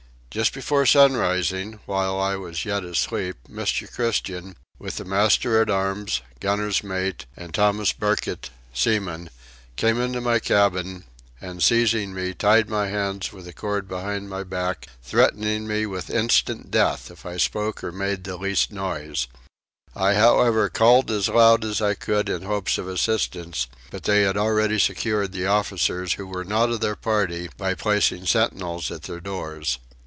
Just before sun rising, while I was yet asleep, Mr. Christian, with the master at arms, gunner's mate, and Thomas Burkitt, seaman, came into my cabin, and seizing me tied my hands with a cord behind my back, threatening me with instant death if I spoke or made the least noise: I however called as loud as I could in hopes of assistance; but they had already secured the officers who were not of their party by placing sentinels at their doors.